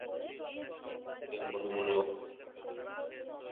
এই কারণে আমি তাহাকে মনে মনে অত্যন্ত শ্রদ্ধা করি।